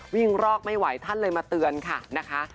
วิ่งรอกไม่ไหวท่านเลยมาเตือน๊คา